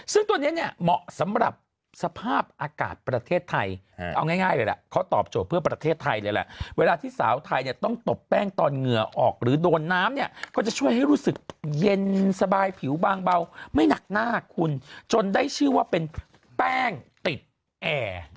ซึ่งตัวนี้เนี่ยเหมาะสำหรับสภาพอากาศประเทศไทยเอาง่ายเลยแหละเขาตอบโจทย์เพื่อประเทศไทยเลยแหละเวลาที่สาวไทยเนี่ยต้องตบแป้งตอนเหงื่อออกหรือโดนน้ำเนี่ยก็จะช่วยให้รู้สึกเย็นสบายผิวบางเบาไม่หนักหน้าคุณจนได้ชื่อว่าเป็นแป้งติดแอร์